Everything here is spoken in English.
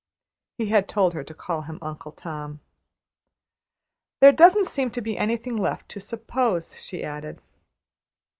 He had told her to call him Uncle Tom. "There doesn't seem to be anything left to `suppose,'" she added.